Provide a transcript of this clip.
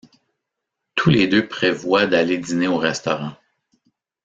Tous les deux prévoient d'aller dîner au restaurant.